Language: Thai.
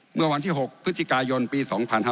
เมื่อวันที่๖พฤศจิกายนปี๒๕๕๙